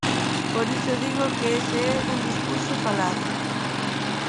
Por iso digo que ese é un discurso falaz.